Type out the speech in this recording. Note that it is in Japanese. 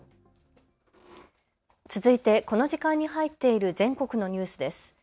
続いてこの時間に入っている全国のニュースです。